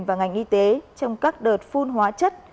và ngành y tế trong các đợt phun hóa chất